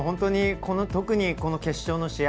特にこの決勝の試合。